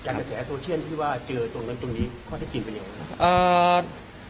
การแสดงโทรเชื่อนที่ว่าเจอตรงนั้นตรงนี้ความที่สิ่งเป็นยังไงครับ